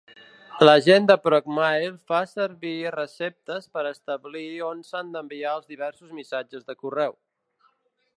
L'agent de procmail fa servir receptes per establir on s'han d'enviar els diversos missatges de correu.